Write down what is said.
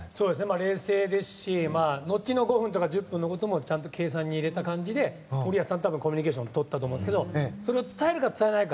冷静ですし、後の５分とか１０分のことも計算に入れたうちで森保さんとコミュニケーションをとったんだと思うんですけどそれを伝えるか、伝えないか。